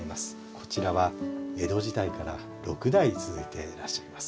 こちらは江戸時代から六代続いていらっしゃいます。